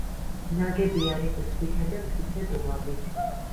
ნაგებია რიყის ქვითა და მტკიცე დუღაბით.